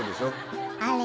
「あれ？